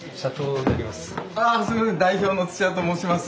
代表の土屋と申します。